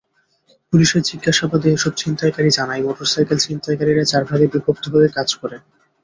পুলিশের জিজ্ঞাসাবাদে এসব ছিনতাইকারী জানায়, মোটরসাইকেল ছিনতাইকারীরা চার ভাগে বিভক্ত হয়ে কাজ করে।